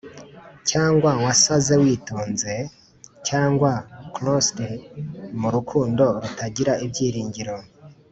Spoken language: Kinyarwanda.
cyangwa wasaze witonze, cyangwa cross'd mu rukundo rutagira ibyiringiro.